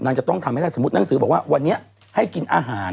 จะต้องทำให้ได้สมมุติหนังสือบอกว่าวันนี้ให้กินอาหาร